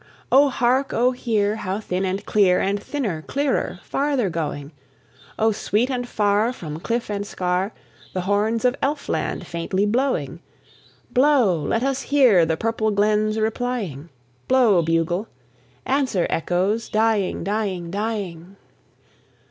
O hark, O hear! how thin and clear, And thinner, clearer, farther going! O sweet and far from cliff and scar The horns of Elfland faintly blowing! Blow, let us hear the purple glens replying: Blow, bugle; answer, echoes, dying, dying, dying.